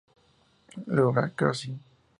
Global Crossing